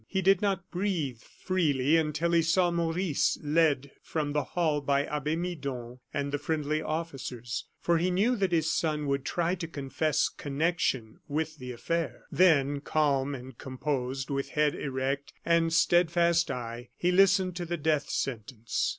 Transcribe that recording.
He did not breathe freely until he saw Maurice led from the hall by Abbe Midon and the friendly officers, for he knew that his son would try to confess connection with the affair. Then, calm and composed, with head erect, and steadfast eye, he listened to the death sentence.